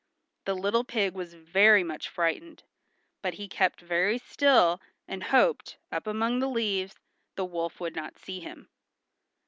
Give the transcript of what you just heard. The little pig was very much frightened, but he kept very still and hoped, up among the leaves, the wolf would not see him.